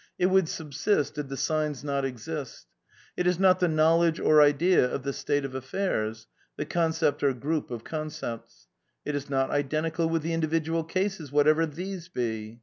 It would subsist, did the signs not exist. ... It is not the knowledge or idea of the state of affairs." [The concept or group of concepts."] ..." It is not identical with the individual cases, whatever these be.